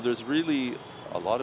thực sự có rất nhiều năng lượng